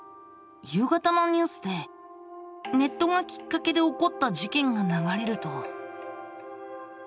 夕方のニュースでネットがきっかけで起こった事件が流れると。